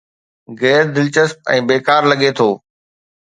غير دلچسپ ۽ بيڪار لڳي ٿو